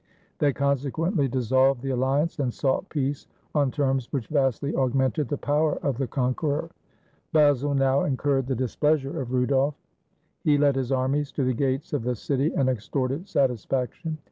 They consequently dissolved the alhance, and sought peace on terms which vastly augmented the power of the conqueror. Basle now incurred the displeasure of Rudolf. He led his armies to the gates of the city, and extorted satisfaction.